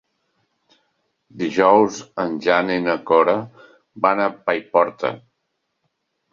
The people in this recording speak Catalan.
Dijous en Jan i na Cora van a Paiporta.